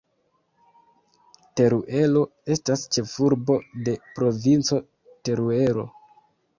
Teruelo estas ĉefurbo de Provinco Teruelo.